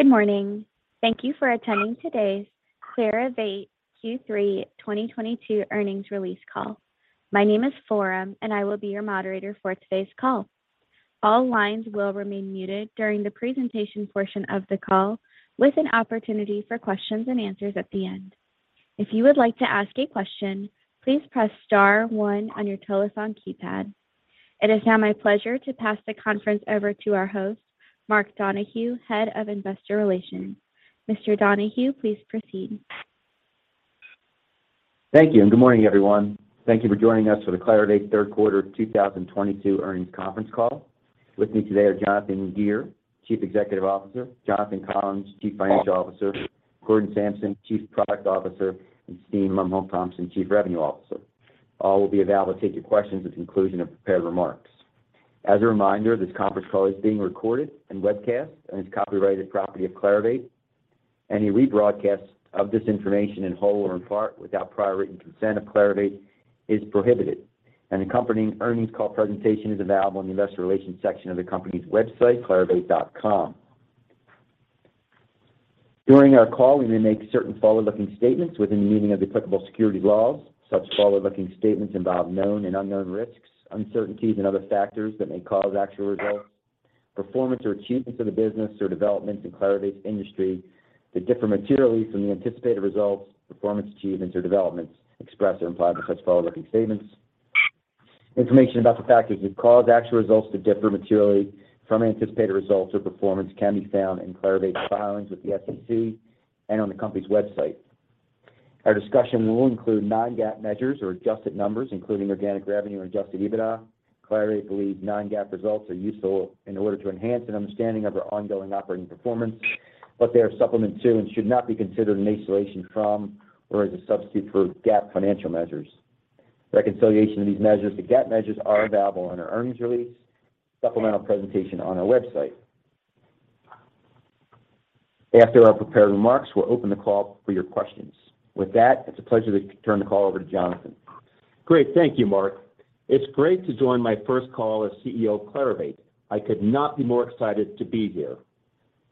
Good morning. Thank you for attending today's Clarivate Q3 2022 earnings release call. My name is Forum, and I will be your Moderator for today's call. All lines will remain muted during the presentation portion of the call, with an opportunity for questions and answers at the end. If you would like to ask a question, please press star one on your telephone keypad. It is now my pleasure to pass the conference over to our host, Mark Donohue, Head of Investor Relations. Mr. Donohue, please proceed. Thank you, and good morning, everyone. Thank you for joining us for the Clarivate third quarter 2022 earnings conference call. With me today are Jonathan Gear, Chief Executive Officer; Jonathan Collins, Chief Financial Officer; Gordon Samson, Chief Product Officer; and Steen Lomholt-Thomsen, Chief Revenue Officer. All will be available to take your questions at the conclusion of prepared remarks. As a reminder, this conference call is being recorded and webcast and is copyrighted property of Clarivate. Any rebroadcast of this information in whole or in part without prior written consent of Clarivate is prohibited. An accompanying earnings call presentation is available in the investor relations section of the company's website, clarivate.com. During our call, we may make certain forward-looking statements within the meaning of applicable security laws. Such forward-looking statements involve known and unknown risks, uncertainties and other factors that may cause actual results, performance or achievements of the business or developments in Clarivate's industry to differ materially from the anticipated results, performance, achievements, or developments expressed or implied by such forward-looking statements. Information about the factors that cause actual results to differ materially from anticipated results or performance can be found in Clarivate's filings with the SEC and on the company's website. Our discussion will include non-GAAP measures or adjusted numbers, including organic revenue or adjusted EBITDA. Clarivate believes non-GAAP results are useful in order to enhance an understanding of our ongoing operating performance, but they are supplement to and should not be considered in isolation from or as a substitute for GAAP financial measures. Reconciliation of these measures to GAAP measures are available on our earnings release supplemental presentation on our website. After our prepared remarks, we'll open the call for your questions. With that, it's a pleasure to turn the call over to Jonathan. Great. Thank you, Mark. It's great to join my first call as CEO of Clarivate. I could not be more excited to be here.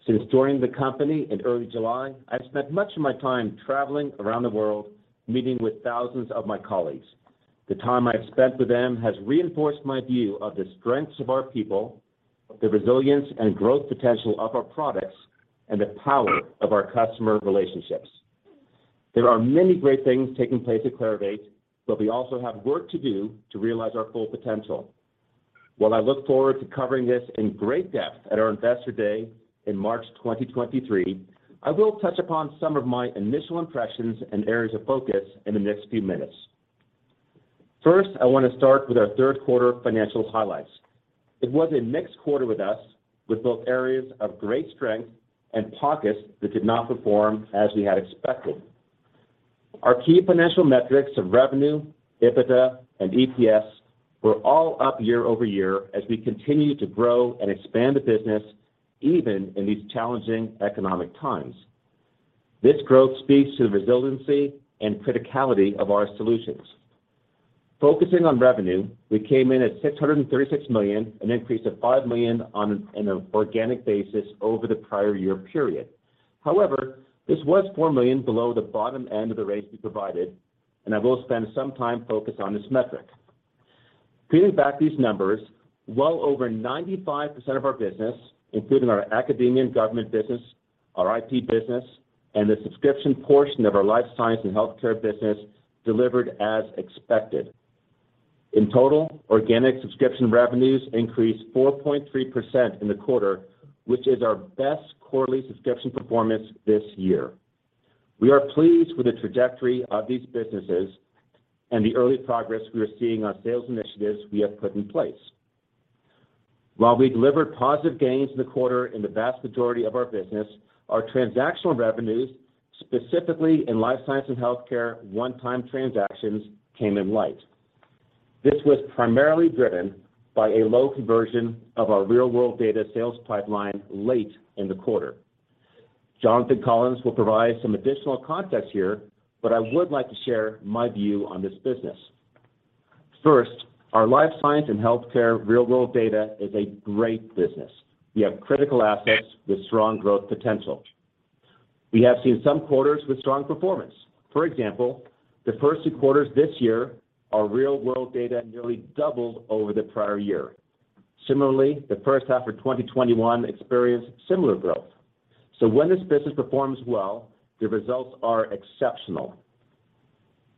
Since joining the company in early July, I've spent much of my time traveling around the world, meeting with thousands of my colleagues. The time I've spent with them has reinforced my view of the strengths of our people, the resilience and growth potential of our products, and the power of our customer relationships. There are many great things taking place at Clarivate, but we also have work to do to realize our full potential. While I look forward to covering this in great depth at our Investor Day in March 2023, I will touch upon some of my initial impressions and areas of focus in the next few minutes. First, I want to start with our third quarter financial highlights. It was a mixed quarter with us, with both areas of great strength and pockets that did not perform as we had expected. Our key financial metrics of revenue, EBITDA, and EPS were all up year-over-year as we continue to grow and expand the business even in these challenging economic times. This growth speaks to the resiliency and criticality of our solutions. Focusing on revenue, we came in at $636 million, an increase of $5 million on an organic basis over the prior year period. This was $4 million below the bottom end of the range we provided, and I will spend some time focused on this metric. Peeling back these numbers, well over 95% of our business, including our academia and government business, our IT business, and the subscription portion of our Life Science and Healthcare business, delivered as expected. In total, organic subscription revenues increased 4.3% in the quarter, which is our best quarterly subscription performance this year. We are pleased with the trajectory of these businesses and the early progress we are seeing on sales initiatives we have put in place. While we delivered positive gains in the quarter in the vast majority of our business, our transactional revenues, specifically in Life Sciences & Healthcare one-time transactions, came in light. This was primarily driven by a low conversion of our real-world data sales pipeline late in the quarter. Jonathan Collins will provide some additional context here, but I would like to share my view on this business. First, our Life Sciences & Healthcare real-world data is a great business. We have critical assets with strong growth potential. We have seen some quarters with strong performance. For example, the first two quarters this year, our real-world data nearly doubled over the prior year. Similarly, the first half of 2021 experienced similar growth. When this business performs well, the results are exceptional.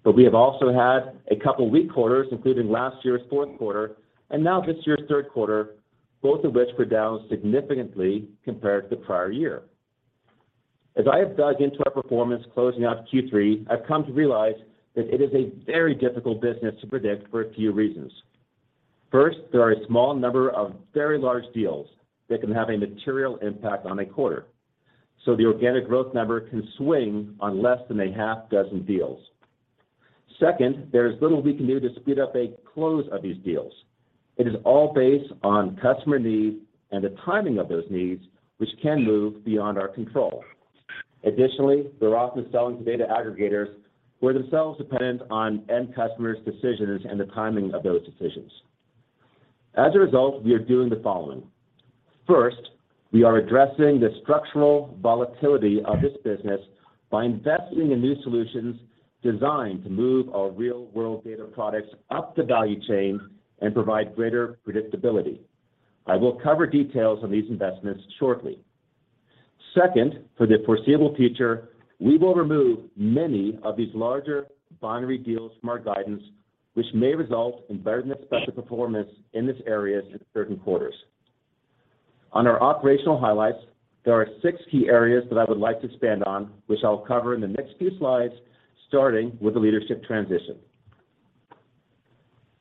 We have also had a couple weak quarters, including last year's fourth quarter and now this year's third quarter, both of which were down significantly compared to the prior year. As I have dug into our performance closing out Q3, I've come to realize that it is a very difficult business to predict for a few reasons. First, there are a small number of very large deals that can have a material impact on a quarter. The organic growth number can swing on less than a half dozen deals. Second, there's little we can do to speed up a close of these deals. It is all based on customer needs and the timing of those needs, which can move beyond our control. Additionally, we're often selling to data aggregators who are themselves dependent on end customers' decisions and the timing of those decisions. As a result, we are doing the following. First, we are addressing the structural volatility of this business by investing in new solutions designed to move our real-world data products up the value chain and provide greater predictability. I will cover details on these investments shortly. Second, for the foreseeable future, we will remove many of these larger binary deals from our guidance, which may result in better-than-expected performance in this area in certain quarters. On our operational highlights, there are six key areas that I would like to expand on, which I'll cover in the next few slides, starting with the leadership transition.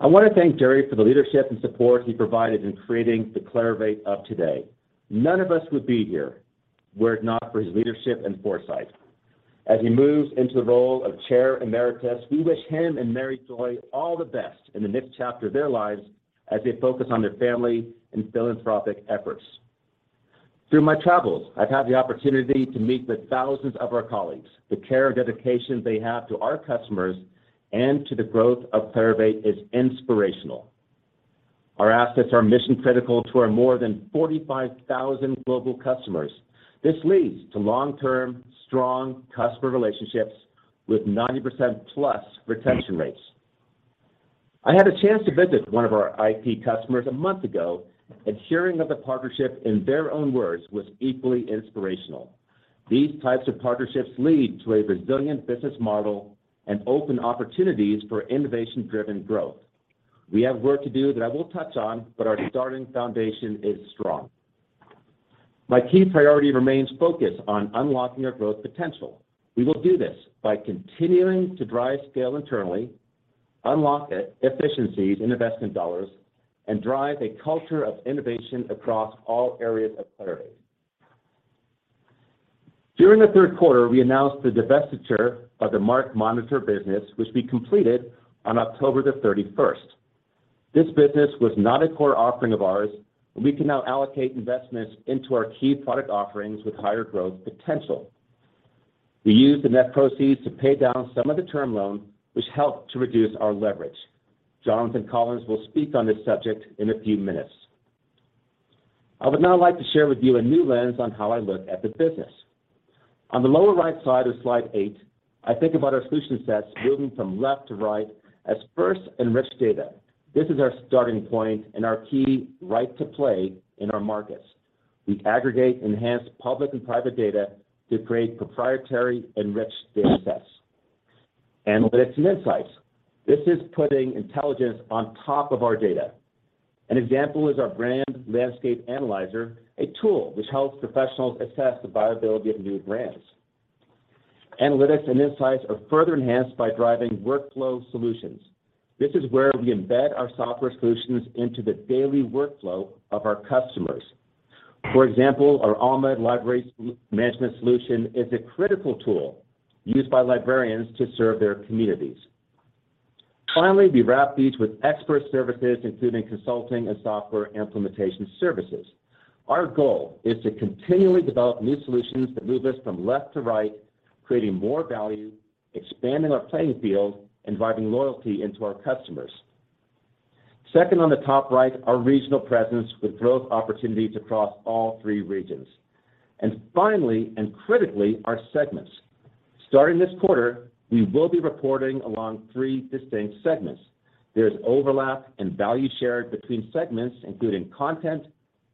I want to thank Jerre for the leadership and support he provided in creating the Clarivate of today. None of us would be here were it not for his leadership and foresight. As he moves into the role of Chair Emeritus, we wish him and Mary Joy all the best in the next chapter of their lives as they focus on their family and philanthropic efforts. Through my travels, I've had the opportunity to meet with thousands of our colleagues. The care and dedication they have to our customers and to the growth of Clarivate is inspirational. Our assets are mission-critical to our more than 45,000 global customers. This leads to long-term, strong customer relationships with 90%-plus retention rates. I had a chance to visit one of our IP customers a month ago, and hearing of the partnership in their own words was equally inspirational. These types of partnerships lead to a resilient business model and open opportunities for innovation-driven growth. We have work to do that I will touch on, but our starting foundation is strong. My key priority remains focused on unlocking our growth potential. We will do this by continuing to drive scale internally, unlock efficiencies in investment dollars, and drive a culture of innovation across all areas of Clarivate. During the 3rd quarter, we announced the divestiture of the MarkMonitor business, which we completed on October 31st. This business was not a core offering of ours. We can now allocate investments into our key product offerings with higher growth potential. We used the net proceeds to pay down some of the term loan, which helped to reduce our leverage. Jonathan Collins will speak on this subject in a few minutes. I would now like to share with you a new lens on how I look at the business. On the lower right side of slide 8, I think about our solution sets moving from left to right as first enrich data. This is our starting point and our key right to play in our markets. We aggregate enhanced public and private data to create proprietary enriched data sets. Analytics and insights. This is putting intelligence on top of our data. An example is our Brand Landscape Analyzer, a tool which helps professionals assess the viability of new brands. Analytics and insights are further enhanced by driving workflow solutions. This is where we embed our software solutions into the daily workflow of our customers. For example, our Alma Library Management Solution is a critical tool used by librarians to serve their communities. Finally, we wrap these with expert services, including consulting and software implementation services. Our goal is to continually develop new solutions that move us from left to right, creating more value, expanding our playing field, and driving loyalty into our customers. On the top right, our regional presence with growth opportunities across all three regions. Finally, and critically, our segments. Starting this quarter, we will be reporting along three distinct segments. There's overlap and value shared between segments, including content,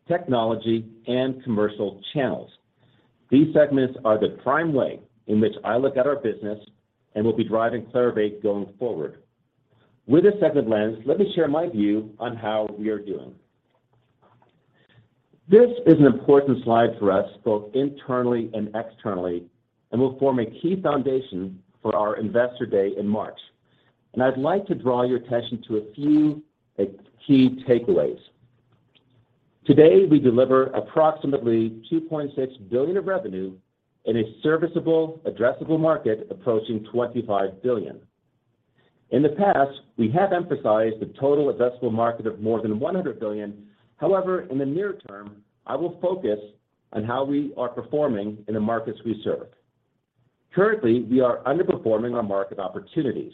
technology, and commercial channels. These segments are the prime way in which I look at our business and will be driving Clarivate going forward. With a second lens, let me share my view on how we are doing. This is an important slide for us, both internally and externally, and will form a key foundation for our Investor Day in March. I'd like to draw your attention to a few key takeaways. Today, we deliver approximately $2.6 billion of revenue in a serviceable, addressable market approaching $25 billion. In the past, we have emphasized the total addressable market of more than $100 billion. However, in the near term, I will focus on how we are performing in the markets we serve. Currently, we are underperforming our market opportunities.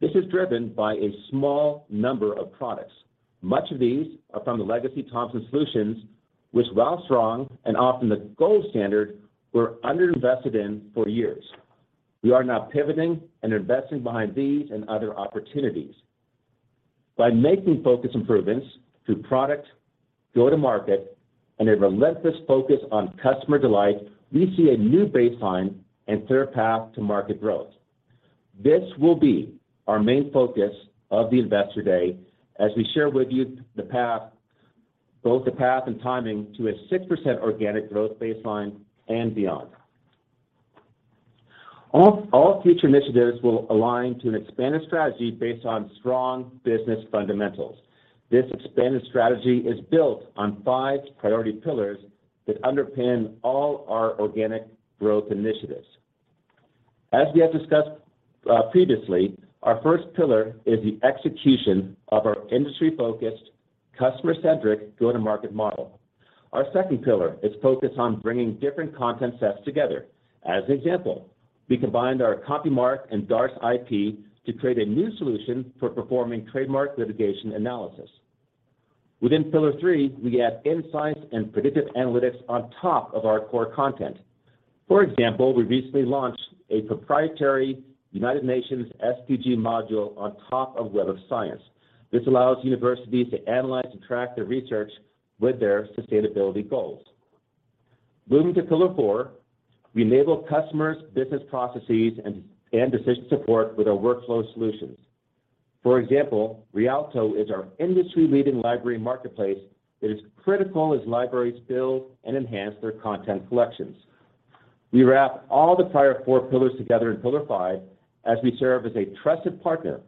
This is driven by a small number of products. Much of these are from the legacy Thomson Solutions, which while strong and often the gold standard, were underinvested in for years. We are now pivoting and investing behind these and other opportunities. By making focused improvements to product, go-to-market, and a relentless focus on customer delight, we see a new baseline and clear path to market growth. This will be our main focus of the Investor Day as we share with you the path, both the path and timing to a 6% organic growth baseline and beyond. All future initiatives will align to an expanded strategy based on strong business fundamentals. This expanded strategy is built on 5 priority pillars that underpin all our organic growth initiatives. As we have discussed previously, our 1st pillar is the execution of our industry-focused, customer-centric go-to-market model. Our 2nd pillar is focused on bringing different content sets together. As an example, we combined our CompuMark and Darts-ip to create a new solution for performing trademark litigation analysis. Within pillar three, we add insights and predictive analytics on top of our core content. For example, we recently launched a proprietary United Nations SDG module on top of Web of Science. This allows universities to analyze and track their research with their sustainability goals. Moving to pillar four, we enable customers business processes and decision support with our workflow solutions. For example, Rialto is our industry-leading library marketplace that is critical as libraries build and enhance their content collections. We wrap all the prior four pillars together in pillar five as we serve as a trusted partner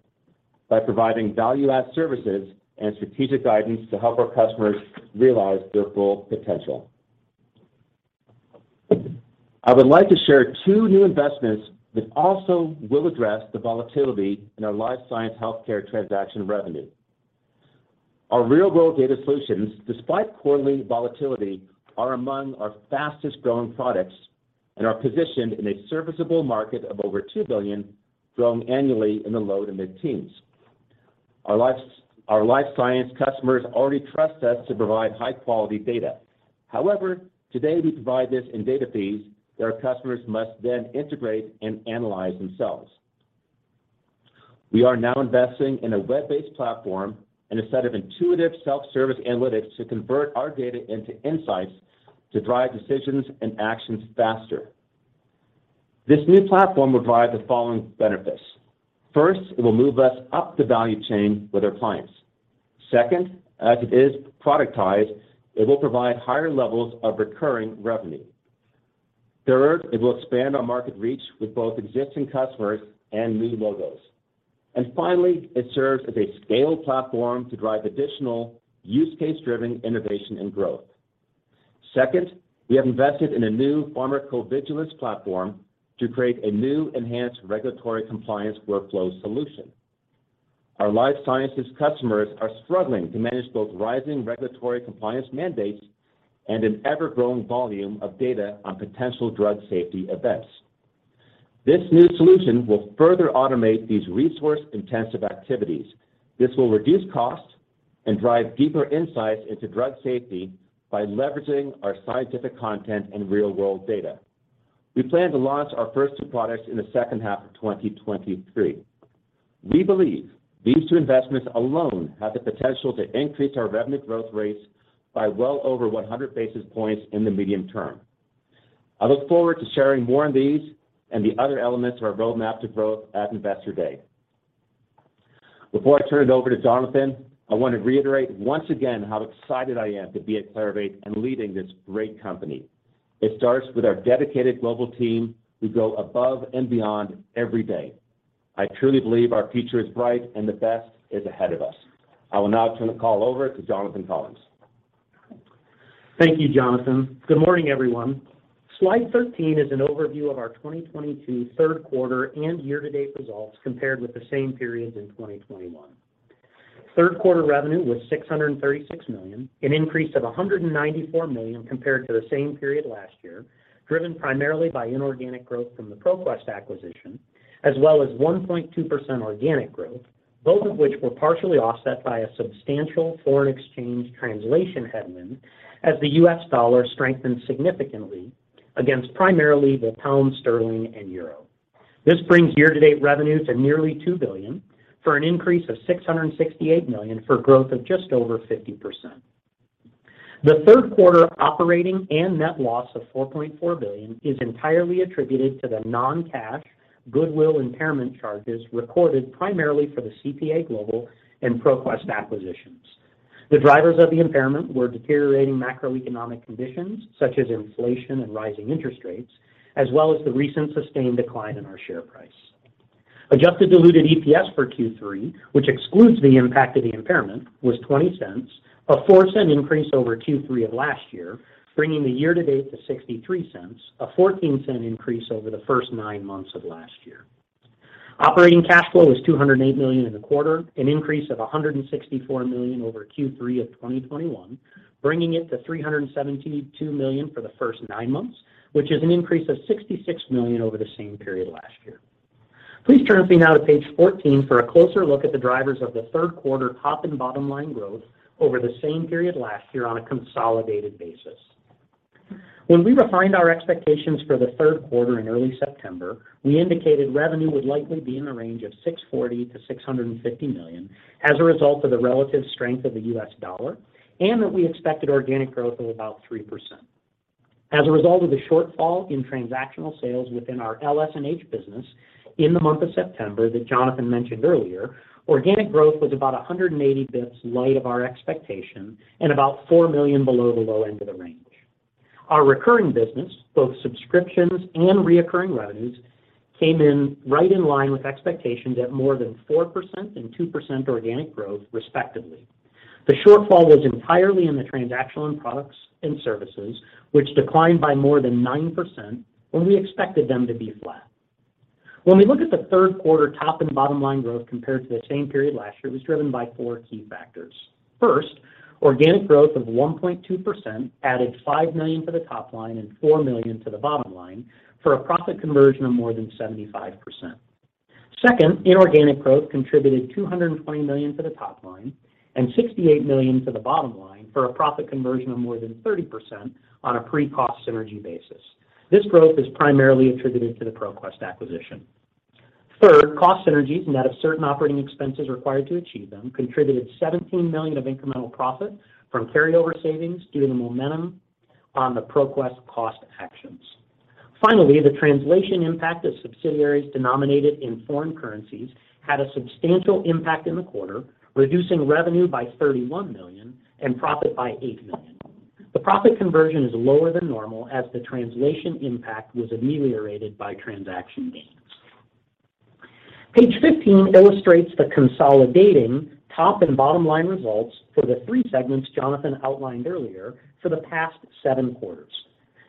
by providing value-add services and strategic guidance to help our customers realize their full potential. I would like to share two new investments that also will address the volatility in our Life Sciences & Healthcare transaction revenue. Our real-world data solutions, despite quarterly volatility, are among our fastest growing products and are positioned in a serviceable market of over $2 billion, growing annually in the low to mid-teens. Our Life Science customers already trust us to provide high quality data. However, today we provide this in data feeds that our customers must then integrate and analyze themselves. We are now investing in a web-based platform and a set of intuitive self-service analytics to convert our data into insights to drive decisions and actions faster. This new platform will provide the following benefits. First, it will move us up the value chain with our clients. Second, as it is productized, it will provide higher levels of recurring revenue. Third, it will expand our market reach with both existing customers and new logos. Finally, it serves as a scale platform to drive additional use case-driven innovation and growth. Second, we have invested in a new pharmacovigilance platform to create a new enhanced regulatory compliance workflow solution. Our life sciences customers are struggling to manage both rising regulatory compliance mandates and an ever-growing volume of data on potential drug safety events. This new solution will further automate these resource-intensive activities. This will reduce costs and drive deeper insights into drug safety by leveraging our scientific content and real-world data. We plan to launch our first two products in the second half of 2023. We believe these two investments alone have the potential to increase our revenue growth rates by well over 100 basis points in the medium term. I look forward to sharing more on these and the other elements of our roadmap to growth at Investor Day. Before I turn it over to Jonathan, I want to reiterate once again how excited I am to be at Clarivate and leading this great company. It starts with our dedicated global team who go above and beyond every day. I truly believe our future is bright and the best is ahead of us. I will now turn the call over to Jonathan Collins. Thank you, Jonathan. Good morning, everyone. Slide 13 is an overview of our 2022 third quarter and year-to-date results compared with the same periods in 2021. Third quarter revenue was $636 million, an increase of $194 million compared to the same period last year, driven primarily by inorganic growth from the ProQuest acquisition, as well as 1.2% organic growth, both of which were partially offset by a substantial foreign exchange translation headwind as the U.S. dollar strengthened significantly against primarily the pound sterling and euro. This brings year-to-date revenue to nearly $2 billion for an increase of $668 million for growth of just over 50%. The third quarter operating and net loss of $4.4 billion is entirely attributed to the non-cash goodwill impairment charges recorded primarily for the CPA Global and ProQuest acquisitions. The drivers of the impairment were deteriorating macroeconomic conditions such as inflation and rising interest rates, as well as the recent sustained decline in our share price. Adjusted diluted EPS for Q3, which excludes the impact of the impairment, was $0.20, a $0.04 increase over Q3 of last year, bringing the year-to-date to $0.63, a $0.14 increase over the first nine months of last year. Operating cash flow was $208 million in the quarter, an increase of $164 million over Q3 of 2021, bringing it to $372 million for the first nine months, which is an increase of $66 million over the same period last year. Please turn with me now to page 14 for a closer look at the drivers of the third quarter top and bottom line growth over the same period last year on a consolidated basis. When we refined our expectations for the third quarter in early September, we indicated revenue would likely be in the range of $640 million to $650 million as a result of the relative strength of the US dollar, and that we expected organic growth of about 3%. As a result of the shortfall in transactional sales within our LS&H business in the month of September that Jonathan mentioned earlier, organic growth was about 180 basis points light of our expectation and about $4 million below the low end of the range. Our recurring business, both subscriptions and reoccurring revenues, came in right in line with expectations at more than 4% and 2% organic growth, respectively. The shortfall was entirely in the transactional products and services, which declined by more than 9% when we expected them to be flat. When we look at the third quarter top and bottom line growth compared to the same period last year, it was driven by four key factors. First, organic growth of 1.2% added $5 million to the top line and $4 million to the bottom line for a profit conversion of more than 75%. Second, inorganic growth contributed $220 million to the top line and $68 million to the bottom line for a profit conversion of more than 30% on a pre-cost synergy basis. This growth is primarily attributed to the ProQuest acquisition. Third, cost synergies, net of certain operating expenses required to achieve them, contributed $17 million of incremental profit from carryover savings due to the momentum on the ProQuest cost actions. Finally, the translation impact of subsidiaries denominated in foreign currencies had a substantial impact in the quarter, reducing revenue by $31 million and profit by $8 million. The profit conversion is lower than normal as the translation impact was ameliorated by transaction gains. Page 15 illustrates the consolidating top and bottom line results for the three segments Jonathan outlined earlier for the past seven quarters.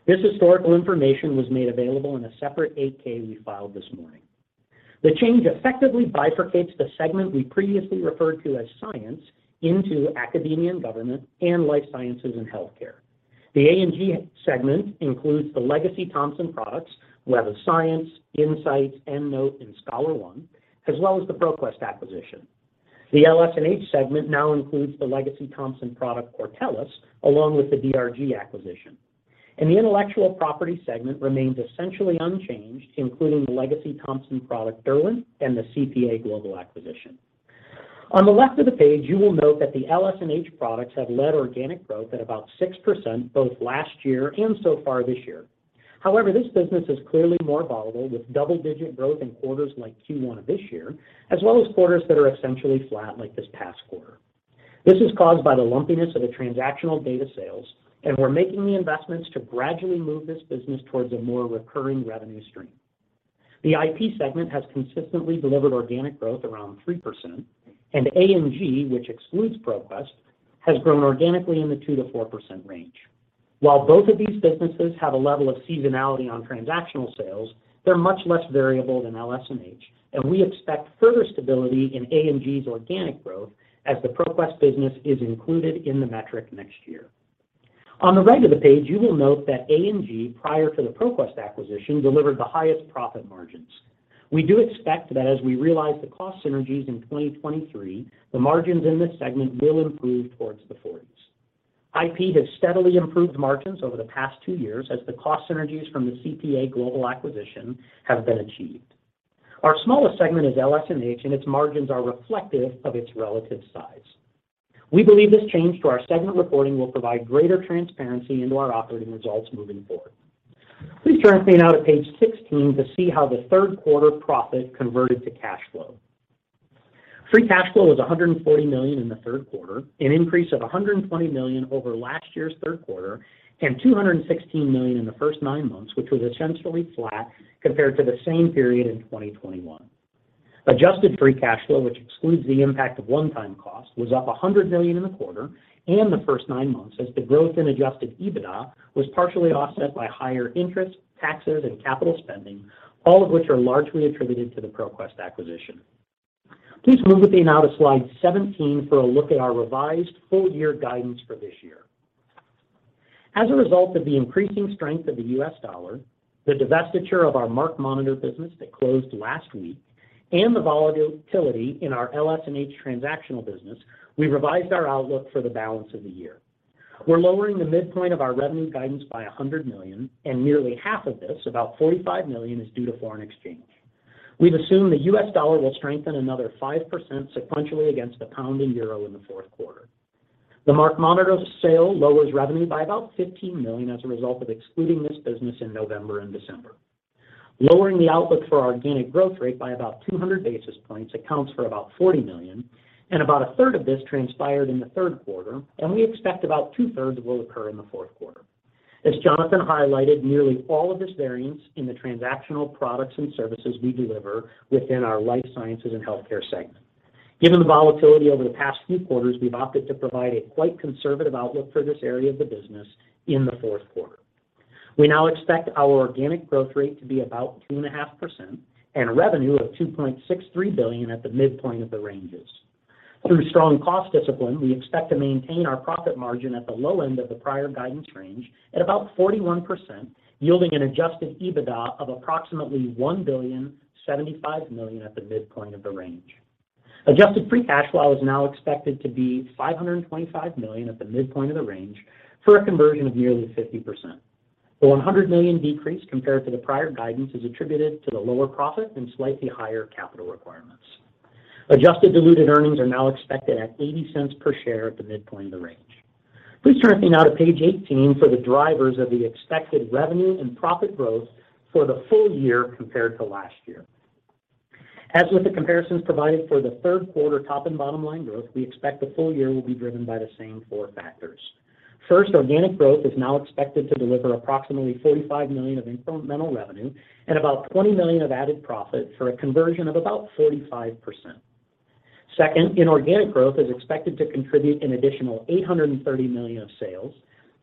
This historical information was made available in a separate 8-K we filed this morning. The change effectively bifurcates the segment we previously referred to as Science into Academia and Government and Life Sciences & Healthcare. The A&G segment includes the legacy Thomson products, Web of Science, InCites, EndNote, and ScholarOne, as well as the ProQuest acquisition. The LS&H segment now includes the legacy Thomson product, Cortellis, along with the DRG acquisition. The Intellectual Property segment remains essentially unchanged, including the legacy Thomson product, Derwent, and the CPA Global acquisition. On the left of the page, you will note that the LS&H products have led organic growth at about 6% both last year and so far this year. However, this business is clearly more volatile, with double-digit growth in quarters like Q1 of this year, as well as quarters that are essentially flat like this past quarter. This is caused by the lumpiness of the transactional data sales, and we're making the investments to gradually move this business towards a more recurring revenue stream. The IP segment has consistently delivered organic growth around 3%, and A&G, which excludes ProQuest, has grown organically in the 2%-4% range. While both of these businesses have a level of seasonality on transactional sales, they're much less variable than LS&H, and we expect further stability in A&G's organic growth as the ProQuest business is included in the metric next year. On the right of the page, you will note that A&G, prior to the ProQuest acquisition, delivered the highest profit margins. We do expect that as we realize the cost synergies in 2023, the margins in this segment will improve towards the forties. IP has steadily improved margins over the past two years as the cost synergies from the CPA Global acquisition have been achieved. Our smallest segment is LS&H. Its margins are reflective of its relative size. We believe this change to our segment reporting will provide greater transparency into our operating results moving forward. Please turn with me now to page 16 to see how the third quarter profit converted to cash flow. Free cash flow was $140 million in the third quarter, an increase of $120 million over last year's third quarter, and $216 million in the first nine months, which was essentially flat compared to the same period in 2021. Adjusted free cash flow, which excludes the impact of one-time costs, was up $100 million in the quarter and the first nine months as the growth in adjusted EBITDA was partially offset by higher interest, taxes, and capital spending, all of which are largely attributed to the ProQuest acquisition. Please move with me now to slide 17 for a look at our revised full-year guidance for this year. As a result of the increasing strength of the U.S. dollar, the divestiture of our MarkMonitor business that closed last week, and the volatility in our LS&H transactional business, we revised our outlook for the balance of the year. We're lowering the midpoint of our revenue guidance by $100 million, and nearly half of this, about $45 million, is due to foreign exchange. We've assumed the U.S. dollar will strengthen another 5% sequentially against the pound and euro in the fourth quarter. The MarkMonitor sale lowers revenue by about $15 million as a result of excluding this business in November and December. Lowering the outlook for our organic growth rate by about 200 basis points accounts for about $40 million. About a third of this transpired in the third quarter, and we expect about two-thirds will occur in the fourth quarter. As Jonathan highlighted, nearly all of this variance in the transactional products and services we deliver within our Life Sciences & Healthcare segment. Given the volatility over the past few quarters, we've opted to provide a quite conservative outlook for this area of the business in the fourth quarter. We now expect our organic growth rate to be about 2.5% and revenue of $2.63 billion at the midpoint of the ranges. Through strong cost discipline, we expect to maintain our profit margin at the low end of the prior guidance range at about 41%, yielding an adjusted EBITDA of approximately $1.075 billion at the midpoint of the range. Adjusted free cash flow is now expected to be $525 million at the midpoint of the range for a conversion of nearly 50%. The $100 million decrease compared to the prior guidance is attributed to the lower profit and slightly higher capital requirements. Adjusted diluted earnings are now expected at $0.80 per share at the midpoint of the range. Please turn with me now to page 18 for the drivers of the expected revenue and profit growth for the full year compared to last year. As with the comparisons provided for the third quarter top and bottom line growth, we expect the full year will be driven by the same four factors. First, organic growth is now expected to deliver approximately $45 million of incremental revenue and about $20 million of added profit for a conversion of about 45%. Second, inorganic growth is expected to contribute an additional $830 million of sales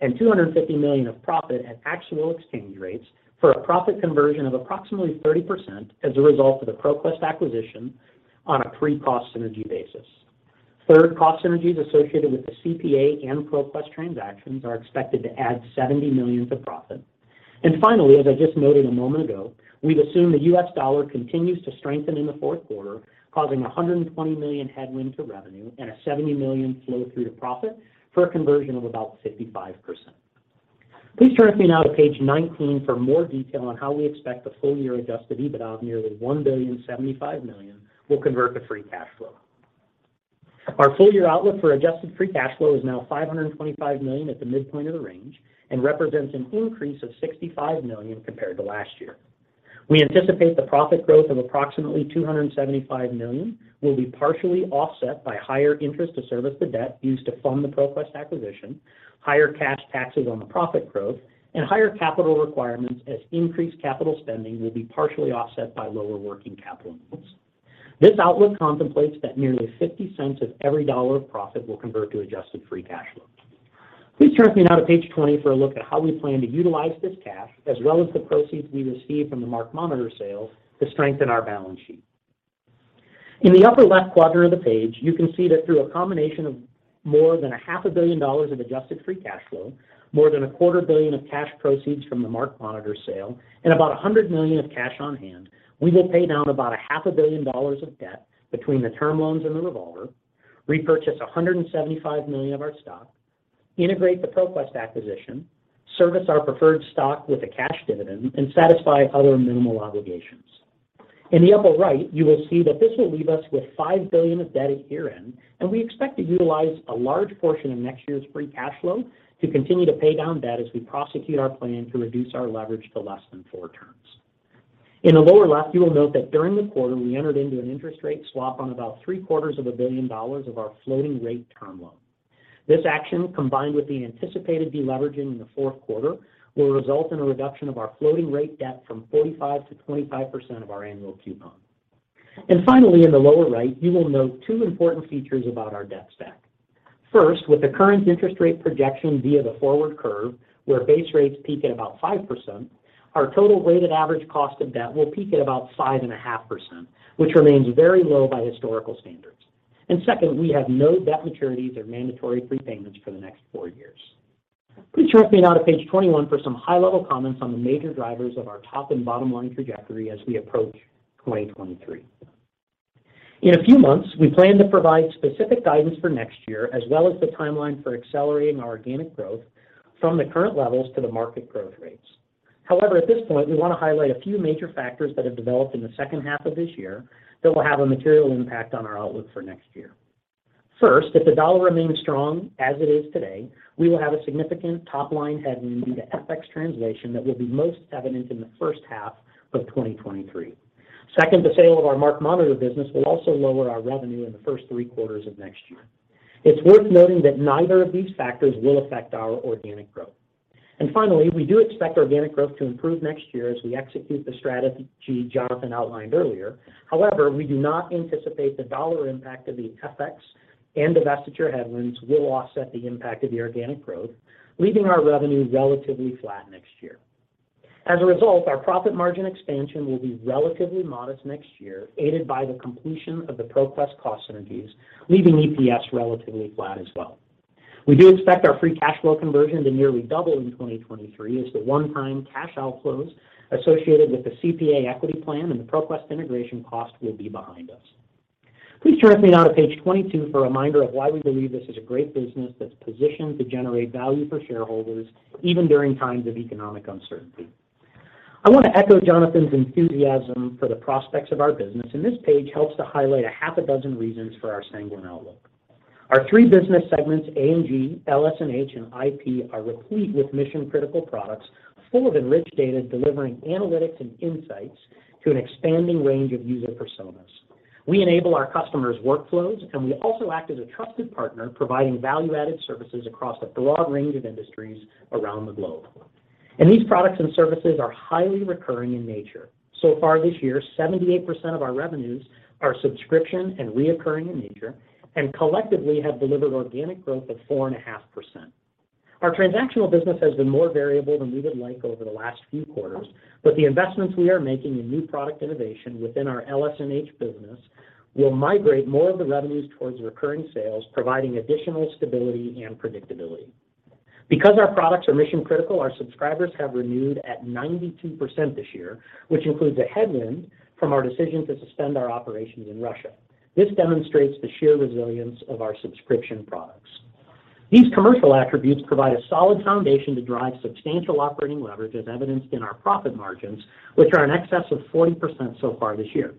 and $250 million of profit at actual exchange rates for a profit conversion of approximately 30% as a result of the ProQuest acquisition on a pre-cost synergy basis. Third, cost synergies associated with the CPA and ProQuest transactions are expected to add $70 million to profit. Finally, as I just noted a moment ago, we've assumed the US dollar continues to strengthen in the fourth quarter, causing a $120 million headwind to revenue and a $70 million flow through to profit for a conversion of about 55%. Please turn with me now to page 19 for more detail on how we expect the full year adjusted EBITDA of nearly $1,075 million will convert to free cash flow. Our full year outlook for adjusted free cash flow is now $525 million at the midpoint of the range and represents an increase of $65 million compared to last year. We anticipate the profit growth of approximately $275 million will be partially offset by higher interest to service the debt used to fund the ProQuest acquisition, higher cash taxes on the profit growth, and higher capital requirements as increased capital spending will be partially offset by lower working capital needs. This outlook contemplates that nearly $0.50 of every dollar of profit will convert to adjusted free cash flow. Please turn with me now to page 20 for a look at how we plan to utilize this cash as well as the proceeds we receive from the MarkMonitor sales to strengthen our balance sheet. In the upper left quadrant of the page, you can see that through a combination of more than a half a billion dollars of adjusted free cash flow, more than a quarter billion of cash proceeds from the MarkMonitor sale, and about $100 million of cash on hand, we will pay down about a half a billion dollars of debt between the term loans and the revolver, repurchase $175 million of our stock, integrate the ProQuest acquisition, service our preferred stock with a cash dividend, and satisfy other minimal obligations. In the upper right, you will see that this will leave us with $5 billion of debt at year-end, and we expect to utilize a large portion of next year's free cash flow to continue to pay down debt as we prosecute our plan to reduce our leverage to less than 4 turns. In the lower left, you will note that during the quarter, we entered into an interest rate swap on about three quarters of a billion dollars of our floating rate term loan. This action, combined with the anticipated de-leveraging in the fourth quarter, will result in a reduction of our floating rate debt from 45% to 25% of our annual coupon. Finally, in the lower right, you will note two important features about our debt stack. First, with the current interest rate projection via the forward curve, where base rates peak at about 5%, our total weighted average cost of debt will peak at about 5.5%, which remains very low by historical standards. Second, we have no debt maturities or mandatory prepayments for the next four years. Please turn with me now to page 21 for some high-level comments on the major drivers of our top and bottom line trajectory as we approach 2023. In a few months, we plan to provide specific guidance for next year, as well as the timeline for accelerating our organic growth from the current levels to the market growth rates. However, at this point, we wanna highlight a few major factors that have developed in the second half of this year that will have a material impact on our outlook for next year. First, if the dollar remains strong as it is today, we will have a significant top-line headwind due to FX translation that will be most evident in the first half of 2023. Second, the sale of our MarkMonitor business will also lower our revenue in the first three quarters of next year. It's worth noting that neither of these factors will affect our organic growth. Finally, we do expect organic growth to improve next year as we execute the strategy Jonathan outlined earlier. We do not anticipate the dollar impact of the FX and divestiture headwinds will offset the impact of the organic growth, leaving our revenue relatively flat next year. Our profit margin expansion will be relatively modest next year, aided by the completion of the ProQuest cost synergies, leaving EPS relatively flat as well. We do expect our free cash flow conversion to nearly double in 2023 as the one-time cash outflows associated with the CPA equity plan and the ProQuest integration cost will be behind us. Please turn with me now to page 22 for a reminder of why we believe this is a great business that's positioned to generate value for shareholders even during times of economic uncertainty. I wanna echo Jonathan's enthusiasm for the prospects of our business. This page helps to highlight a half a dozen reasons for our sanguine outlook. Our three business segments, A&G, LS&H, and IP, are replete with mission-critical products full of enriched data delivering analytics and insights to an expanding range of user personas. We enable our customers' workflows. We also act as a trusted partner, providing value-added services across a broad range of industries around the globe. These products and services are highly recurring in nature. Far this year, 78% of our revenues are subscription and reoccurring in nature and collectively have delivered organic growth of 4.5%. Our transactional business has been more variable than we would like over the last few quarters, but the investments we are making in new product innovation within our LS&H business will migrate more of the revenues towards recurring sales, providing additional stability and predictability. Because our products are mission-critical, our subscribers have renewed at 92% this year, which includes a headwind from our decision to suspend our operations in Russia. This demonstrates the sheer resilience of our subscription products. These commercial attributes provide a solid foundation to drive substantial operating leverage, as evidenced in our profit margins, which are in excess of 40% so far this year.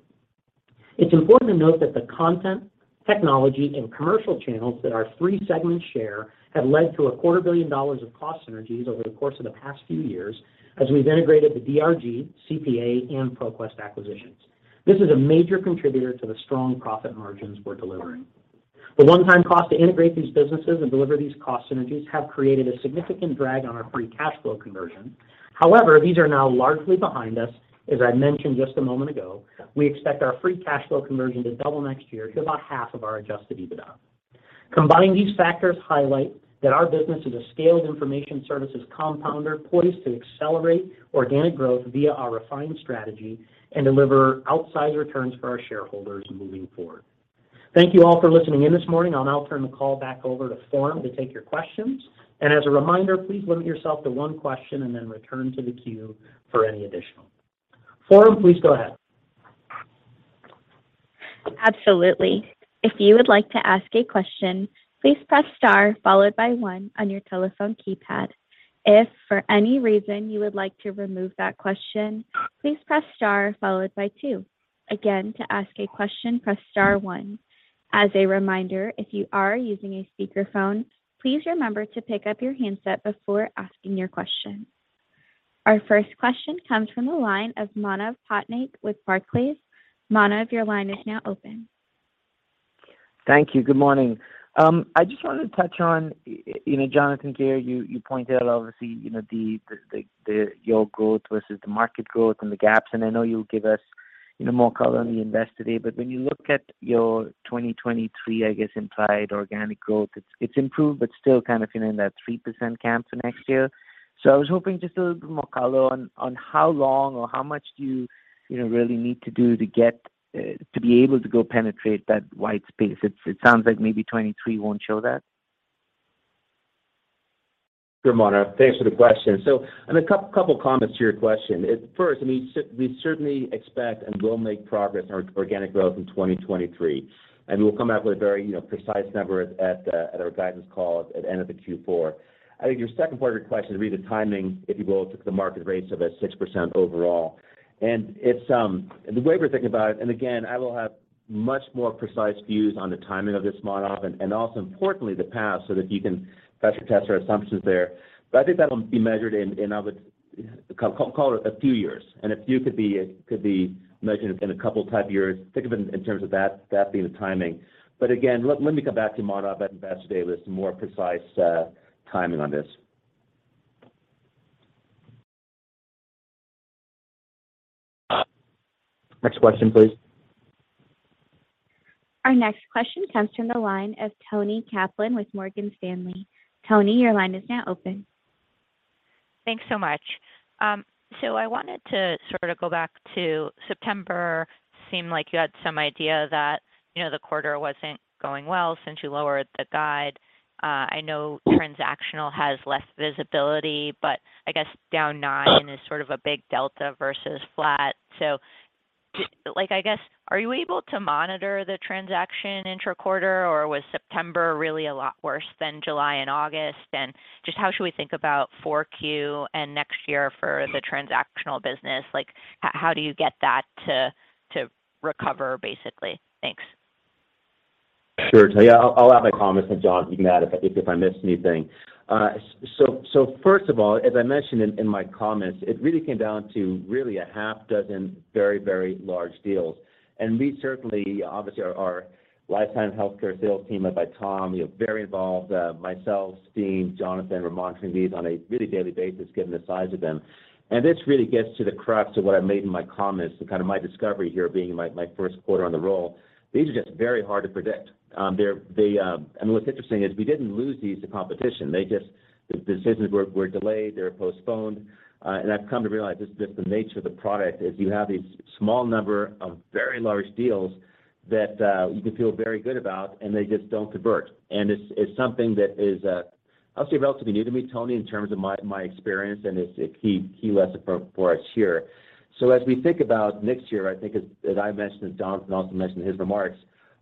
It's important to note that the content, technology, and commercial channels that our three segments share have led to a quarter billion dollars of cost synergies over the course of the past few years as we've integrated the DRG, CPA, and ProQuest acquisitions. This is a major contributor to the strong profit margins we're delivering. The one-time cost to integrate these businesses and deliver these cost synergies have created a significant drag on our free cash flow conversion. However, these are now largely behind us. As I mentioned just a moment ago, we expect our free cash flow conversion to double next year to about half of our adjusted EBITDA. Combining these factors highlight that our business is a scaled information services compounder poised to accelerate organic growth via our refined strategy and deliver outsized returns for our shareholders moving forward. Thank you all for listening in this morning. I'll now turn the call back over to Forum to take your questions. As a reminder, please limit yourself to one question and then return to the queue for any additional. Forum, please go ahead. Absolutely. If you would like to ask a question, please press star followed by one on your telephone keypad. If, for any reason, you would like to remove that question, please press star followed by two. Again, to ask a question, press star one. As a reminder, if you are using a speakerphone, please remember to pick up your handset before asking your question. Our first question comes from the line of Manav Patnaik with Barclays. Manav, your line is now open. Thank you. Good morning. I just wanted to touch on, you know, Jonathan Gear, you pointed out obviously, you know, your growth versus the market growth and the gaps, and I know you'll give us, you know, more color on the Invest Day. When you look at your 2023, I guess, implied organic growth, it improved, but still kind of, you know, in that 3% camp for next year. I was hoping just a little bit more color on how long or how much do you know, really need to do to get to be able to go penetrate that white space? It sounds like maybe 23 won't show that. Sure, Manav Patnaik. Thanks for the question. And a couple comments to your question. First, I mean, we certainly expect and will make progress on our organic growth in 2023, and we'll come out with a very, you know, precise number at our guidance call at end of the Q4. I think your second part of your question would be the timing, if you will, to the market rates of a 6% overall. It's the way we're thinking about it, and again, I will have much more precise views on the timing of this model and also importantly, the path so that you can pressure test our assumptions there. I think that'll be measured in, I would call it a few years. A few could be measured in two type years. Think of it in terms of that being the timing. Again, let me come back to you, Manav, at Investor Day with some more precise timing on this. Next question, please. Our next question comes from the line of Toni Kaplan with Morgan Stanley. Toni, your line is now open. Thanks so much. I wanted to sort of go back to September. Seemed like you had some idea that, you know, the quarter wasn't going well since you lowered the guide. I know transactional has less visibility, but I guess down nine is sort of a big delta versus flat. Like, I guess, are you able to monitor the transaction intra-quarter, or was September really a lot worse than July and August? Just how should we think about 4Q and next year for the transactional business? Like, how do you get that to recover, basically? Thanks. Sure, Toni. I'll add my comments, and Jon, you can add if I miss anything. First of all, as I mentioned in my comments, it really came down to a half dozen very large deals. We certainly, obviously our Life Science and Healthcare sales team led by Tom, you know, very involved, myself, Steve, Jonathan, we're monitoring these on a daily basis given the size of them. This really gets to the crux of what I made in my comments and kind of my discovery here being my first quarter on the role. These are just very hard to predict. What's interesting is we didn't lose these to competition. The decisions were delayed, they were postponed. I've come to realize this is just the nature of the product, is you have these small number of very large deals that you can feel very good about, and they just don't convert. It's something that is honestly relatively new to me, Toni, in terms of my experience, and it's a key lesson for us here. As we think about next year, I think as I mentioned and Jonathan also mentioned in his remarks,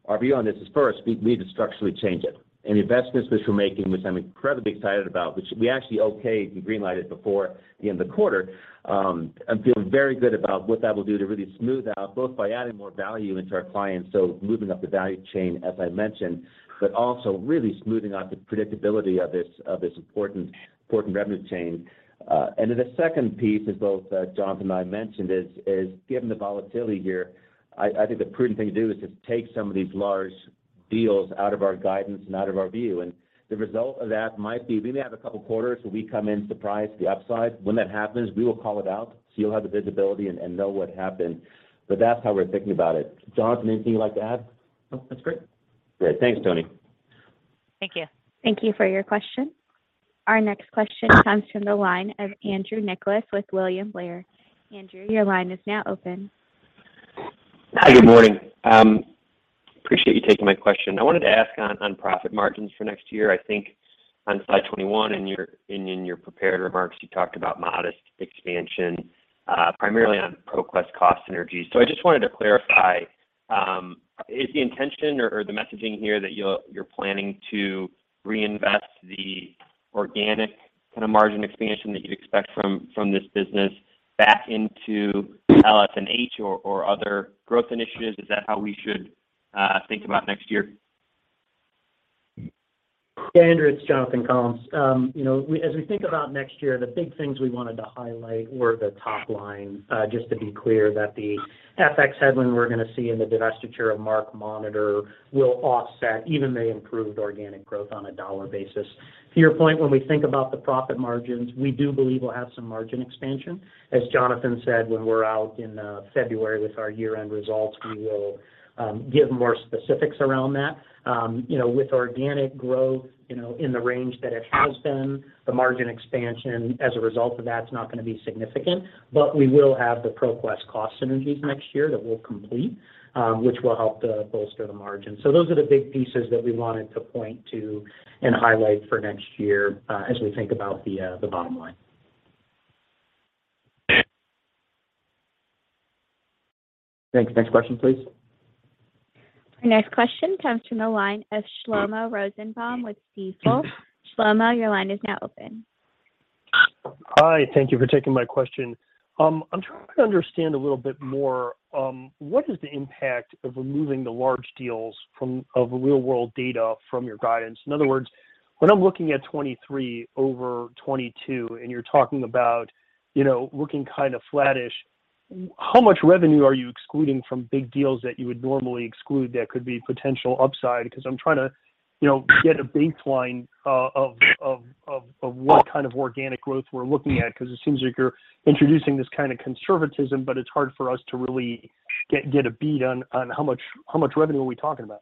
our view on this is first, we need to structurally change it. The investments which we're making, which I'm incredibly excited about, which we actually okayed and green lighted before the end of the quarter, I'm feeling very good about what that will do to really smooth out, both by adding more value into our clients, so moving up the value chain, as I mentioned, but also really smoothing out the predictability of this important revenue chain. The second piece, as both Jonathan and I mentioned, is given the volatility here, I think the prudent thing to do is just take some of these large deals out of our guidance and out of our view. The result of that might be we may have two quarters where we come in surprise to the upside. When that happens, we will call it out, so you'll have the visibility and know what happened. That's how we're thinking about it. Jonathan, anything you'd like to add? No, that's great. Great. Thanks, Toni. Thank you. Thank you for your question. Our next question comes from the line of Andrew Nicholas with William Blair. Andrew, your line is now open. Hi, good morning. Appreciate you taking my question. I wanted to ask on profit margins for next year. I think on slide 21 in your prepared remarks, you talked about modest expansion, primarily on ProQuest cost synergies. I just wanted to clarify, is the intention or the messaging here that you're planning to reinvest the organic kind of margin expansion that you'd expect from this business back into LS&H or other growth initiatives? Is that how we should think about next year? Yeah, Andrew, it's Jonathan Collins. You know, we, as we think about next year, the big things we wanted to highlight were the top line. Just to be clear that the FX headline we're gonna see in the divestiture of MarkMonitor will offset, even the improved organic growth on a dollar basis. To your point, when we think about the profit margins, we do believe we'll have some margin expansion. As Jonathan said, when we're out in February with our year-end results, we will give more specifics around that. You know, with organic growth, you know, in the range that it has been, the margin expansion as a result of that's not gonna be significant. We will have the ProQuest cost synergies next year that we'll complete, which will help to bolster the margin. Those are the big pieces that we wanted to point to and highlight for next year, as we think about the bottom line. Thanks. Next question, please. Our next question comes from the line of Shlomo Rosenbaum with Stifel. Shlomo, your line is now open. Hi, thank you for taking my question. I'm trying to understand a little bit more, what is the impact of removing the large deals from real world data from your guidance? In other words, when I'm looking at 2023 over 2022 and you're talking about, you know, looking kind of flattish, how much revenue are you excluding from big deals that you would normally exclude that could be potential upside? I'm trying to, you know, get a baseline of what kind of organic growth we're looking at. It seems like you're introducing this kind of conservatism, but it's hard for us to really get a bead on how much revenue are we talking about?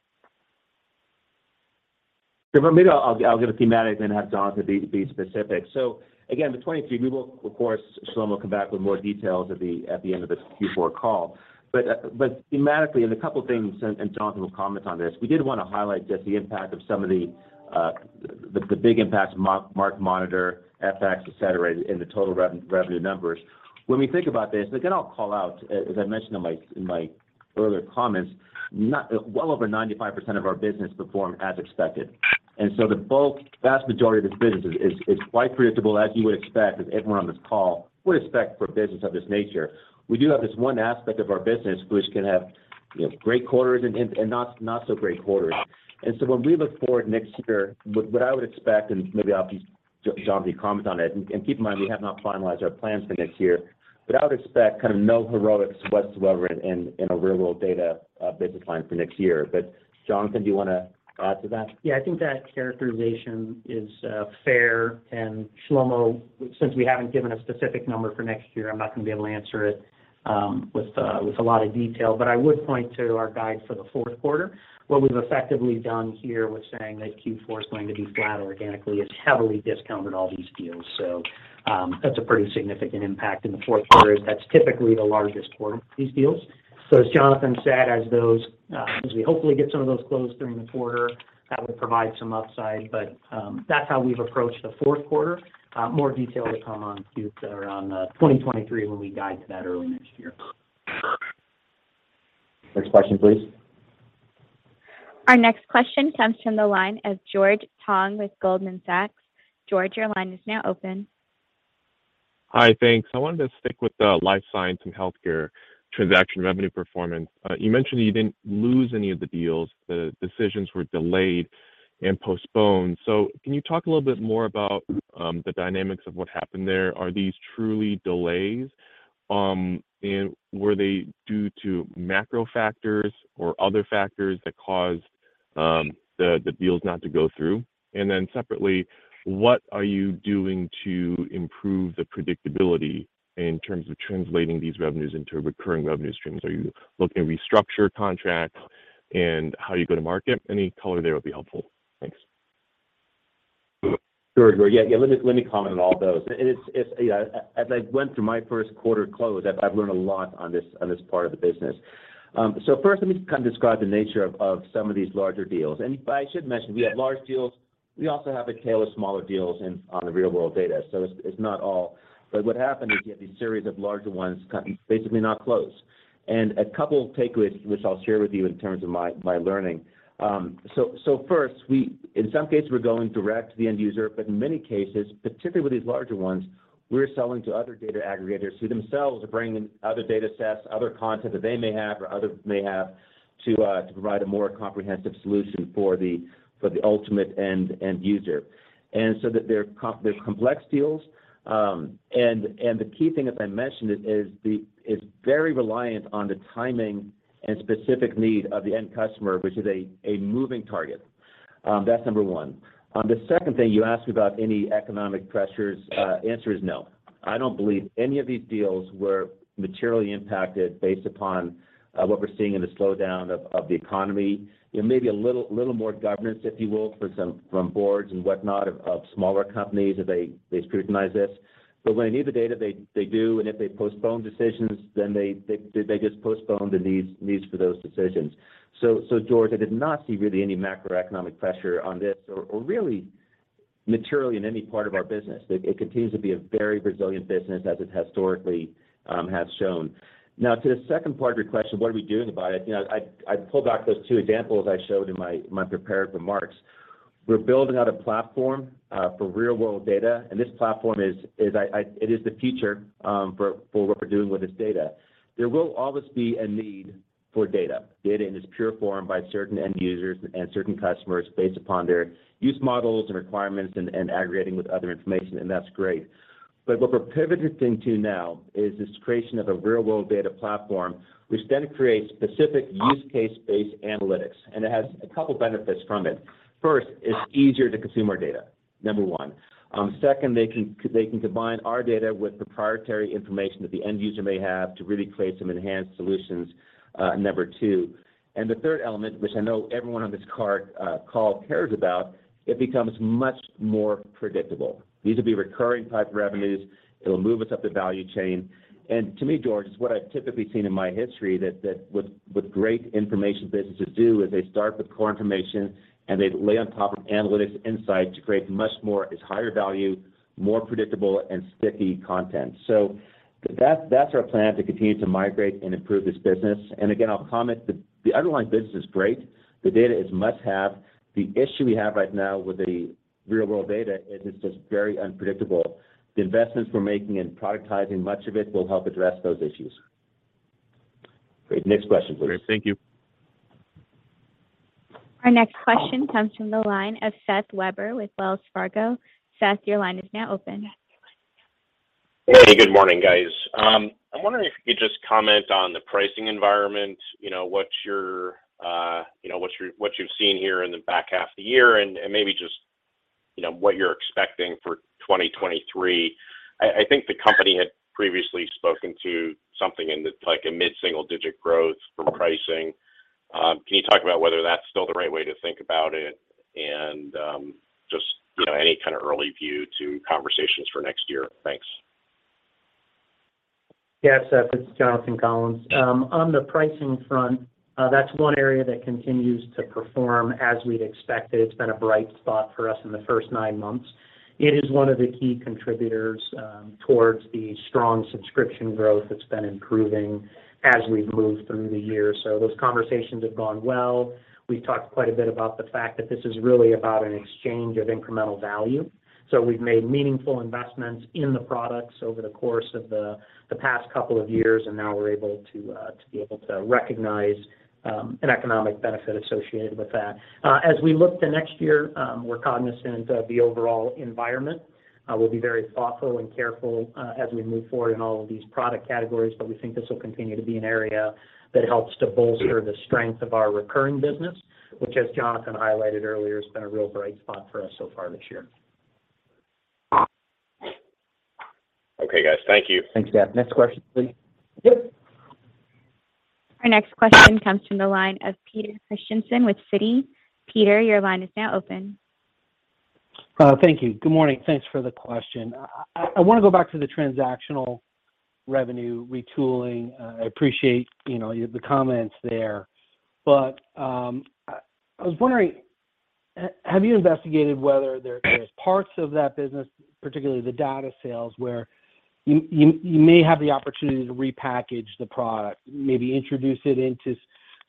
If I may, I'll give a thematic then have Jonathan be specific. Again, for 2023, we will, of course, Shlomo, come back with more details at the end of this Q4 call. Thematically, a couple things, Jonathan will comment on this, we did wanna highlight just the impact of some of the big impacts, MarkMonitor, FX, et cetera, in the total revenue numbers. When we think about this, again, I'll call out, as I mentioned in my earlier comments, Well over 95% of our business performed as expected. The bulk, vast majority of this business is quite predictable as you would expect, as everyone on this call would expect for a business of this nature. We do have this one aspect of our business which can have, you know, great quarters and not so great quarters. When we look forward next year, what I would expect, and maybe Jonathan can comment on it. Keep in mind, we have not finalized our plans for next year, but I would expect kind of no heroics whatsoever in a real-world data business line for next year. Jonathan, do you wanna add to that? Yeah, I think that characterization is fair. Shlomo, since we haven't given a specific number for next year, I'm not gonna be able to answer it with a lot of detail. I would point to our guide for the fourth quarter. What we've effectively done here with saying that Q4 is going to be flat organically is heavily discounted all these deals. That's a pretty significant impact in the fourth quarter. That's typically the largest quarter for these deals. As Jonathan said, as those, as we hopefully get some of those closed during the quarter, that would provide some upside, but that's how we've approached the fourth quarter. More detail to come on Q4 and 2023 when we guide to that early next year. Next question, please. Our next question comes from the line of George Tong with Goldman Sachs. George, your line is now open. Hi. Thanks. I wanted to stick with the Life Sciences & Healthcare transaction revenue performance. You mentioned that you didn't lose any of the deals, the decisions were delayed and postponed. Can you talk a little bit more about the dynamics of what happened there? Are these truly delays? Were they due to macro factors or other factors that caused the deals not to go through? Separately, what are you doing to improve the predictability in terms of translating these revenues into recurring revenue streams? Are you looking to restructure contracts and how you go to market? Any color there would be helpful. Thanks. Sure, George. Yeah. Let me comment on all those. It's, you know, as I went through my first quarter close, I've learned a lot on this part of the business. First let me kind of describe the nature of some of these larger deals. I should mention we have large deals. We also have a tail of smaller deals on the real-world data. It's not all. What happened is you have these series of larger ones kind of basically not close. A couple of takeaways, which I'll share with you in terms of my learning. First we, in some cases we're going direct to the end user, but in many cases, particularly with these larger ones, we're selling to other data aggregators who themselves are bringing other data sets, other content that they may have or others may have to provide a more comprehensive solution for the ultimate end user. They're complex deals. The key thing as I mentioned is the, it's very reliant on the timing and specific need of the end customer, which is a moving target. That's number one. The second thing, you asked about any economic pressures, answer is no. I don't believe any of these deals were materially impacted based upon what we're seeing in the slowdown of the economy. You know, maybe a little more governance, if you will, for some from boards and whatnot of smaller companies if they scrutinize this. When they need the data, they do. If they postpone decisions, they just postpone the needs for those decisions. George, I did not see really any macroeconomic pressure on this or really materially in any part of our business. It continues to be a very resilient business as it historically has shown. To the second part of your question, what are we doing about it? You know, I pulled out those two examples I showed in my prepared remarks. We're building out a platform for real-world data. This platform is. It is the future for what we're doing with this data. There will always be a need for data. Data in its pure form by certain end users and certain customers based upon their use models and requirements and aggregating with other information, that's great. What we're pivoting into now is this creation of a real-world data platform which then creates specific use case-based analytics, it has a couple benefits from it. First, it's easier to consume our data, number one. Second, they can combine our data with proprietary information that the end user may have to really create some enhanced solutions, number two. The third element, which I know everyone on this call cares about, it becomes much more predictable. These will be recurring type revenues. It'll move us up the value chain. To me, George, it's what I've typically seen in my history that great information businesses do is they start with core information and they lay on top of analytics insight to create much more, it's higher value, more predictable and sticky content. That's our plan to continue to migrate and improve this business. Again, I'll comment the underlying business is great. The data is must-have. The issue we have right now with the real-world data is it's just very unpredictable. The investments we're making in productizing much of it will help address those issues. Great. Next question, please. Great. Thank you. Our next question comes from the line of Seth Weber with Wells Fargo. Seth, your line is now open. Hey, good morning, guys. I'm wondering if you could just comment on the pricing environment. You know, what your, you know, what you've seen here in the back half of the year and maybe just, you know, what you're expecting for 2023. I think the company had previously spoken to something in the, like a mid-single digit growth from pricing. Can you talk about whether that's still the right way to think about it? Just, you know, any kind of early view to conversations for next year. Thanks. Yeah, Seth. It's Jonathan Collins. On the pricing front, that's one area that continues to perform as we'd expected. It's been a bright spot for us in the first nine months. It is one of the key contributors towards the strong subscription growth that's been improving as we've moved through the year. Those conversations have gone well. We've talked quite a bit about the fact that this is really about an exchange of incremental value. We've made meaningful investments in the products over the course of the past couple of years, and now we're able to be able to recognize an economic benefit associated with that. As we look to next year, we're cognizant of the overall environment. We'll be very thoughtful and careful, as we move forward in all of these product categories, but we think this will continue to be an area that helps to bolster the strength of our recurring business, which as Jonathan highlighted earlier, has been a real bright spot for us so far this year. Okay, guys. Thank you. Thanks, Seth. Next question, please. Yep. Our next question comes from the line of Peter Christiansen with Citi. Peter, your line is now open. Thank you. Good morning. Thanks for the question. I wanna go back to the transactional revenue retooling. I appreciate, you know, the comments there. I was wondering, have you investigated whether there's parts of that business, particularly the data sales, where you may have the opportunity to repackage the product, maybe introduce it into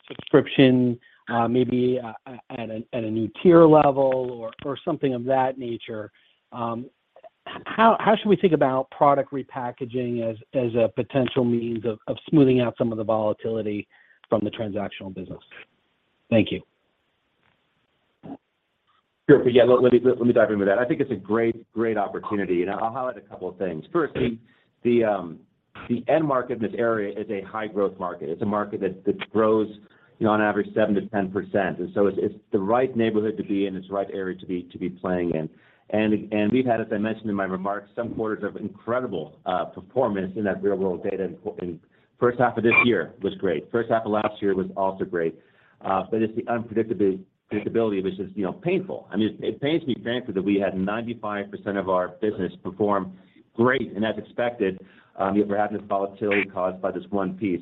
subscription, maybe at a new tier level or something of that nature. How should we think about product repackaging as a potential means of smoothing out some of the volatility from the transactional business? Thank you. Sure. Yeah. Let me dive in with that. I think it's a great opportunity, and I'll highlight a couple of things. First, the end market in this area is a high growth market. It's a market that grows, you know, on average 7%-10%. It's the right neighborhood to be in. It's the right area to be playing in. We've had, as I mentioned in my remarks, some quarters of incredible performance in that real-world data in first half of this year was great. First half of last year was also great. It's the predictability which is, you know, painful. I mean, it pains me frankly, that we had 95% of our business perform great and as expected, yet we're having this volatility caused by this one piece.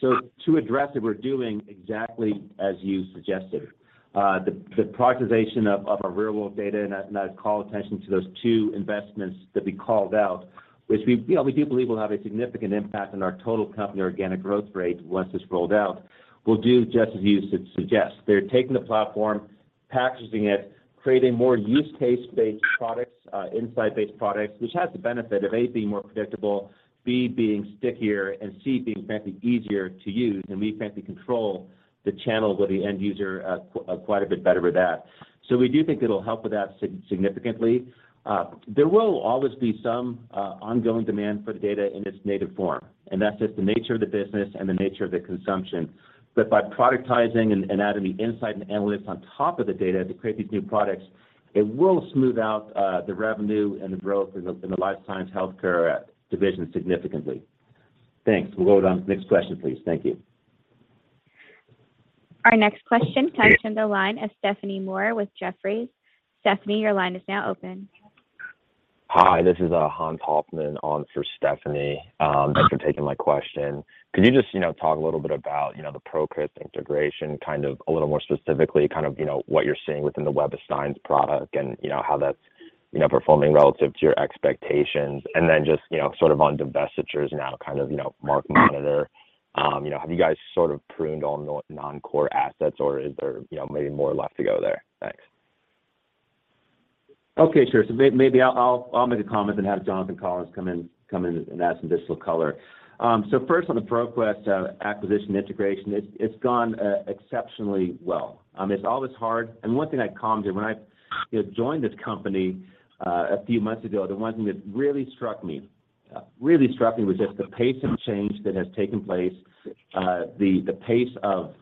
To address it, we're doing exactly as you suggested. The productization of our real-world data, I'd call attention to those two investments that we called out, which we, you know, we do believe will have a significant impact on our total company organic growth rate once it's rolled out. We'll do just as you suggest. They're taking the platform, packaging it, creating more use case-based products, insight-based products, which has the benefit of, A, being more predictable, B, being stickier, and C, being frankly easier to use, and we frankly control the channel with the end user, quite a bit better with that. We do think it'll help with that significantly. There will always be some ongoing demand for the data in its native form, and that's just the nature of the business and the nature of the consumption. By productizing and adding the insight and analytics on top of the data to create these new products, it will smooth out the revenue and the growth in the Life Sciences & Healthcare division significantly. Thanks. We'll go to next question, please. Thank you. Our next question comes from the line of Stephanie Moore with Jefferies. Stephanie, your line is now open. Hi, this is Hans Hoffman on for Stephanie. Thanks for taking my question. Could you just, you know, talk a little bit about, you know, the ProQuest integration kind of a little more specifically, kind of, you know, what you're seeing within the Web of Science product and, you know, how that's, you know, performing relative to your expectations? Then just, you know, sort of on divestitures now, kind of, you know, MarkMonitor, you know, have you guys sort of pruned all the non-core assets or is there, you know, maybe more left to go there? Thanks. Okay, sure. Maybe I'll make a comment then have Jonathan Collins come in and add some additional color. First on the ProQuest acquisition integration, it's gone exceptionally well. It's always hard. One thing I commented when I, you know, joined this company a few months ago, the one thing that really struck me was just the pace of change that has taken place. The pace of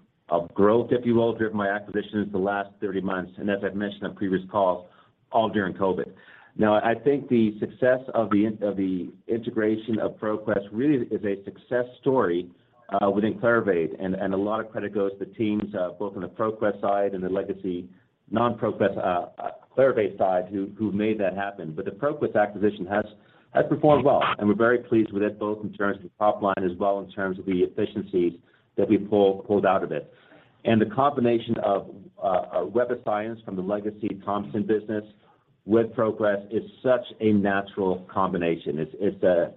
growth, if you will, driven by acquisitions the last 30 months, and as I've mentioned on previous calls, all during COVID. I think the success of the integration of ProQuest really is a success story within Clarivate. A lot of credit goes to the teams, both on the ProQuest side and the legacy non-ProQuest Clarivate side who made that happen. The ProQuest acquisition has performed well, and we're very pleased with it, both in terms of the top line as well in terms of the efficiencies that we pulled out of it. The combination of Web of Science from the legacy Thomson business with ProQuest is such a natural combination. The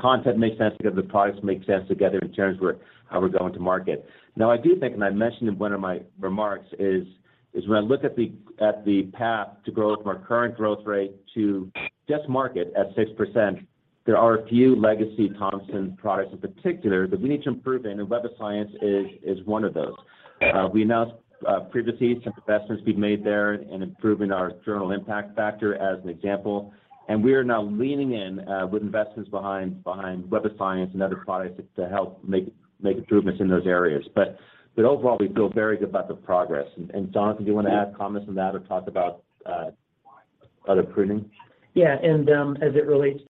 content makes sense together, the products make sense together in terms of how we're going to market. I do think, and I mentioned in one of my remarks, when I look at the path to growth from our current growth rate to just market at 6%, there are a few legacy Thomson products in particular that we need to improve in, and Web of Science is one of those. We announced previously some investments we've made there in improving our Journal Impact Factor as an example. We are now leaning in with investments behind Web of Science and other products to help make improvements in those areas. Overall, we feel very good about the progress. Jonathan, do you wanna add comments on that or talk about other prunings? Yeah. As it relates,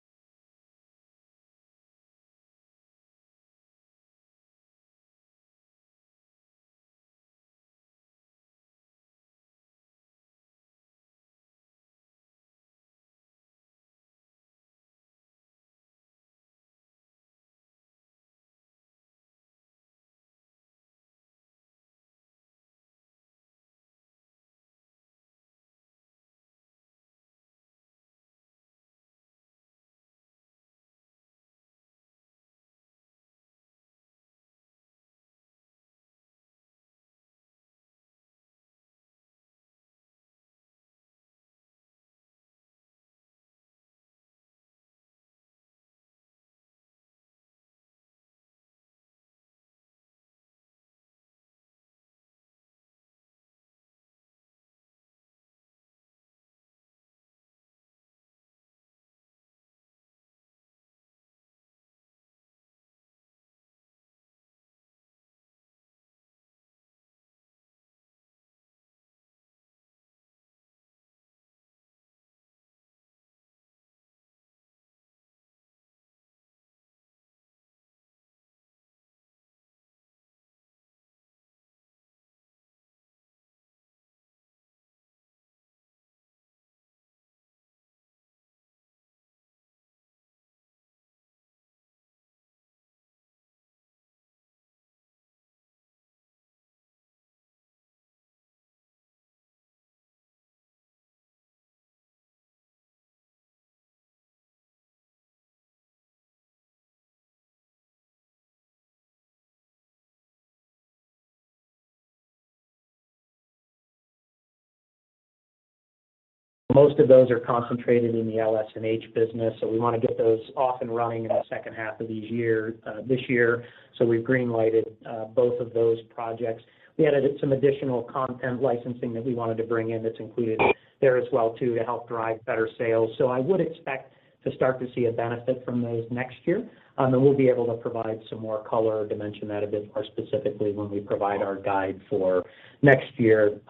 most of those are concentrated in the LS&H business, so we wanna get those off and running in the second half of the year this year. We've green lighted both of those projects. We added some additional content licensing that we wanted to bring in that's included there as well too to help drive better sales. I would expect to start to see a benefit from those next year. We'll be able to provide some more color to mention that a bit more specifically when we provide our guide for next year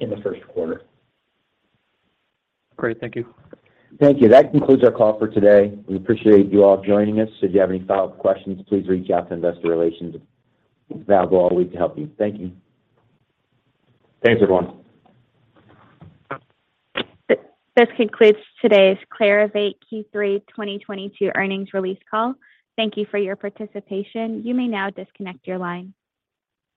in the first quarter. Great. Thank you. Thank you. That concludes our call for today. We appreciate you all joining us. If you have any follow-up questions, please reach out to investor relations. They'll go all week to help you. Thank you. Thanks, everyone. This concludes today's Clarivate Q3 2022 earnings release call. Thank you for your participation. You may now disconnect your line.